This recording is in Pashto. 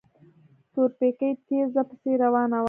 تورپيکۍ تېزه پسې روانه وه.